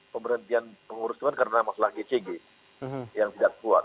pemberhentian pengurusan karena masalah gcg yang tidak kuat